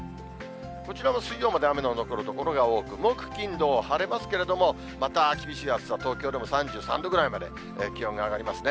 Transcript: こちらも水曜まで雨の残る所が多く、木、金、土は晴れますけれども、また厳しい暑さ、東京でも３３度ぐらいまで気温が上がりますね。